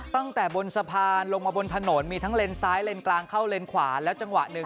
ตั้งแต่บนสะพานลงมาบนถนนมีทั้งเลนซ้ายเลนกลางเข้าเลนขวาแล้วจังหวะหนึ่ง